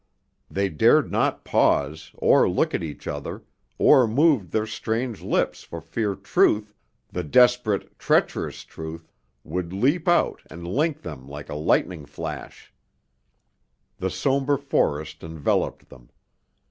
They dared not pause, or look at each other, or move their strained lips for fear truth, the desperate, treacherous truth, would leap out and link them like a lightning flash. The somber forest enveloped them.